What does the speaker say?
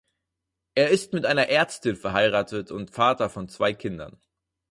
Er ist mit einer Ärztin verheiratet und Vater von zwei Kindern.